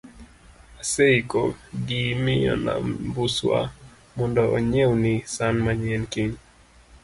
aseiko gi miyo Nambuswa mondo onyiewni san manyien kiny